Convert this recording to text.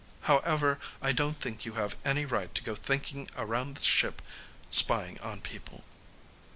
However, I don't think you have any right to go thinking around the ship spying on people."